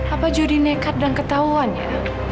apa jody nekat dan ketauan ya